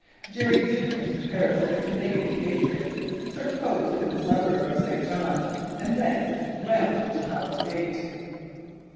Jerry Duggan's parasitic Canadian 'patriots' took post in the suburb of St John and thence round to Palace Gate.